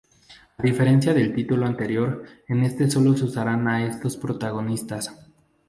A diferencia del título anterior, en este sólo se usarán a estos protagonistas.